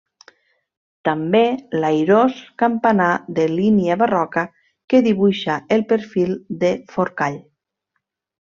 També l'airós campanar de línia barroca que dibuixa el perfil de Forcall.